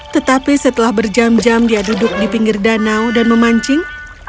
tetapi setelah berjam jam dia duduk di pinggir danau dan memancing